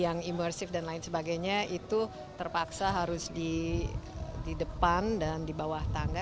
yang imersif dan lain sebagainya itu terpaksa harus di depan dan di bawah tangga